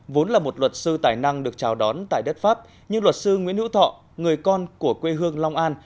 vốn là một luật sư tài năng được chào đón tại đất pháp nhưng luật sư nguyễn hữu thọ người con của quê hương long an